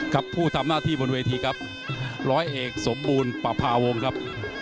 ผู้ทำหน้าที่บนเวทีครับร้อยเอกสมบูรณ์ประพาวงศ์ครับ